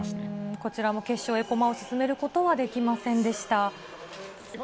こちらも決勝へ駒を進めることはできませんでした。